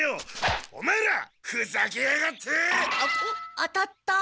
当たった。